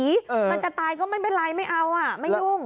มันจะตายก็ไม่เป็นไรไม่เอาอ่ะไม่ยุ่ง